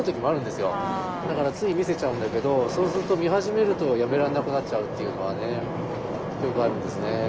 だからつい見せちゃうんだけどそうすると見始めるとやめられなくなっちゃうっていうのはねよくあるんですね。